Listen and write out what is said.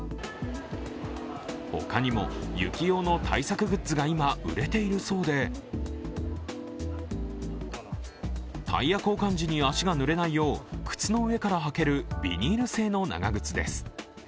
他にも雪用の対策グッズが今、売れているそうでタイヤ交換時に足がぬれないよう、靴の上から履けるビニール製の長靴です。